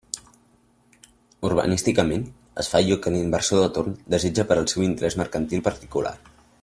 Urbanísticament es fa allò que l'inversor de torn desitja per al seu interés mercantil particular.